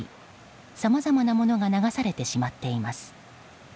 さまざまな物が流されてしまっています。